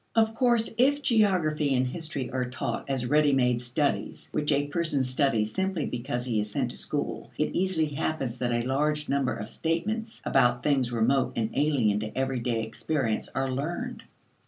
Of course if geography and history are taught as ready made studies which a person studies simply because he is sent to school, it easily happens that a large number of statements about things remote and alien to everyday experience are learned.